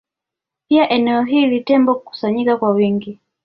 Pia eneo hili Tembo hukusanyika kwa wingi